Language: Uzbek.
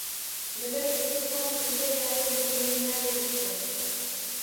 Bilib turib ham sizga yaxshilik ilinaverishdi.